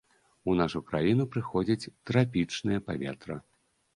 У нашу краіну прыходзіць трапічнае паветра.